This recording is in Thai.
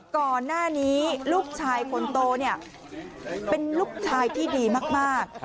ก่อนหน้านี้ลูกชายคนโตเนี่ยเป็นลูกชายที่ดีมาก